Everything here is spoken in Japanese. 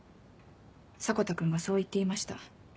迫田君がそう言っていました。